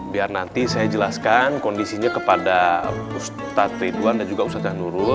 biar nanti saya jelaskan kondisinya kepada ustadz ridwan dan juga ustadz yang nurul